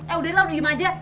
eh udah lah udah gimana aja